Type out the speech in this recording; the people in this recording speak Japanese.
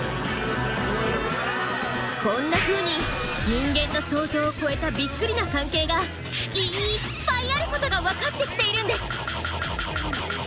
こんなふうに人間の想像を超えたびっくりな関係がいっぱいあることが分かってきているんです！